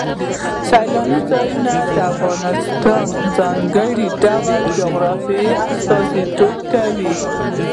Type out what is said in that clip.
سیلانی ځایونه د افغانستان د ځانګړي ډول جغرافیه استازیتوب کوي.